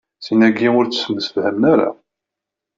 Sin-agi ur ttemsefhamen ara.